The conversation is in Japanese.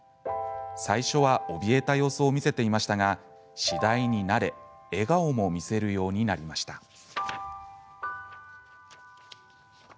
最初はおびえた様子を見せていましたが、次第に慣れ笑顔も見せるようになりました。